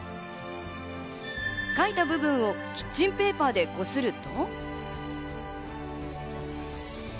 書いた部分をキッチンペーパーでこすると。